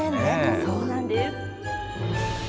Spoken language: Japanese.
そうなんです。